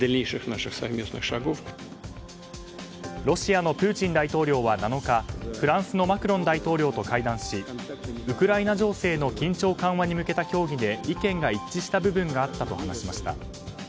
ロシアのプーチン大統領は７日フランスのマクロン大統領と会談しウクライナ情勢の緊張緩和に向けた協議で意見が一致した部分があったと話しました。